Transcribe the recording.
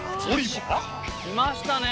きましたね。